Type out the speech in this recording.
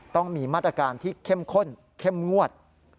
ต้องมีมาตรการที่เข้มข้นเข้มงวด